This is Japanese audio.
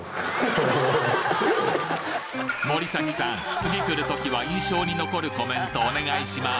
次来るときは印象に残るコメントお願いします